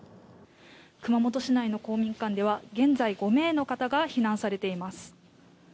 熊本市内の公民館では現在５名の方が避難されています。